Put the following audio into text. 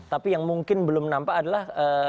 tapi yang mungkin belum nampak adalah